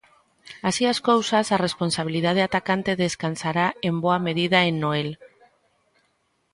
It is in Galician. Así as cousas, a responsabilidade atacante descansará en boa medida en Noel.